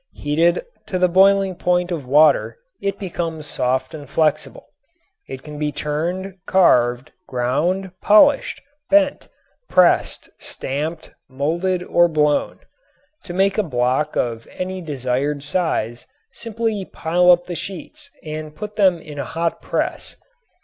Heated to the boiling point of water it becomes soft and flexible. It can be turned, carved, ground, polished, bent, pressed, stamped, molded or blown. To make a block of any desired size simply pile up the sheets and put them in a hot press.